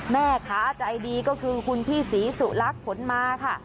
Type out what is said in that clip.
แม่ค้าใจดีก็คือคุณพี่ศรีสุลักษณ์ผลมาค่ะ